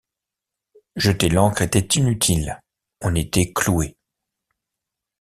Jeter l’ancre était inutile ; on était cloué.